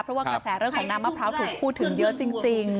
เพราะว่าขนาดน้ำนะพร้าวถูกพูดถึงเยอะจริง